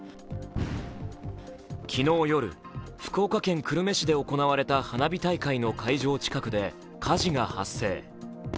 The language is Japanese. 昨日夜、福岡県久留米市で行われた花火大会の会場近くで火事が発生。